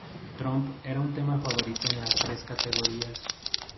Tromp era un tema favorito en las tres categorías.